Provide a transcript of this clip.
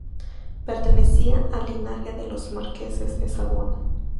Pertenecía al linaje de los marqueses de Savona.